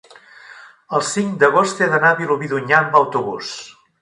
el cinc d'agost he d'anar a Vilobí d'Onyar amb autobús.